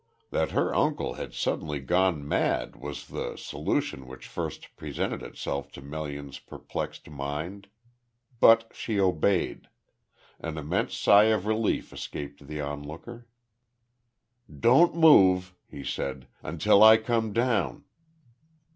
That her uncle had suddenly gone mad was the solution which first presented itself to Melian's perplexed mind. But she obeyed. An immense sigh of relief escaped the onlooker. "Don't move," he said, "until I come down."